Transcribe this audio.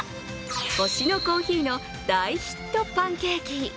星乃珈琲の大ヒットパンケーキ。